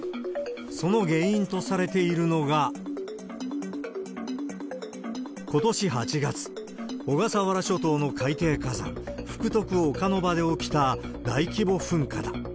その原因とされているのが、ことし８月、小笠原諸島の海底火山、福徳岡ノ場で起きた大規模噴火だ。